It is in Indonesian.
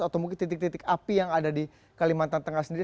atau mungkin titik titik api yang ada di kalimantan tengah sendiri